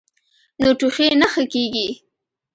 نو ټوخی نۀ ښۀ کيږي -